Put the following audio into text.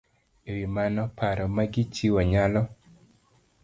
E wi mano, paro ma gichiwo nyalo